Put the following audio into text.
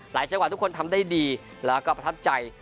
จังหวะทุกคนทำได้ดีแล้วก็ประทับใจ